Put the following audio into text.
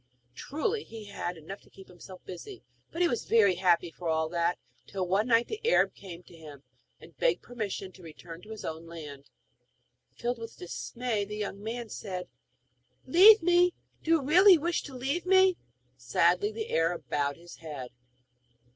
Truly, he had enough to keep him busy; but he was very happy for all that, till, one night, the Arab came to him, and begged permission to return to his own land. Filled with dismay the young man said: 'Leave me! Do you really wish to leave me?' Sadly the Arab bowed his head.